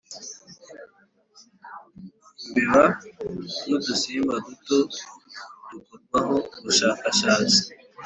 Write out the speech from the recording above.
imbeba nudusimba duto dukorwaho ubushakashatsi